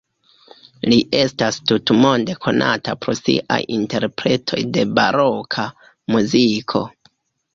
Li estas tutmonde konata pro sia interpretoj de baroka muziko.